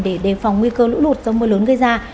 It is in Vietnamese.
để đề phòng nguy cơ lũ lụt do mưa lớn gây ra